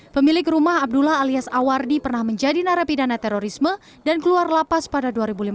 pemilik rumah abdullah alias awardi pernah menjadi narapidana terorisme dan keluar lapas pada dua ribu lima belas